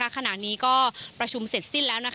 ขณะนี้ก็ประชุมเสร็จสิ้นแล้ว